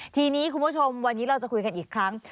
ทีนี้คุณผู้ชมวันนี้เราจะคุยกันอีกครั้ง